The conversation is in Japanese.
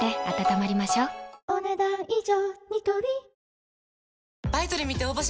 お、ねだん以上。